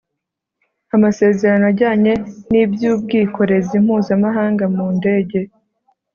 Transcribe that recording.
amasezerano ajyanye n'iby'ubwikorezi mpuzamahanga mu ndege